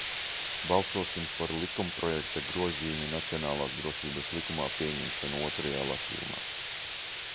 "Balsosim par likumprojekta "Grozījumi Nacionālās drošības likumā" pieņemšanu otrajā lasījumā!"